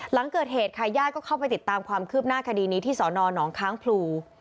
หลังเกิดเหตุค่ะญาติก็เข้าไปติดตามความคืบหน้าคดีนี้ที่สนหนองค้างพลู